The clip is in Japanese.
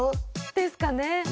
ですかね。